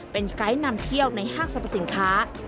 เป็นไกด์นำเที่ยวในห้างสรรพสินค้า